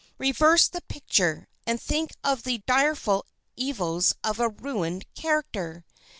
Reverse the picture, and think of the direful evils of a ruined character.